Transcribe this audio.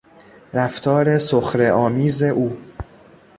رفتار سخره آمیز او